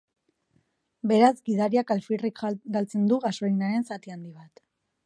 Beraz gidariak alferrik galtzen du gasolinaren zati handi bat.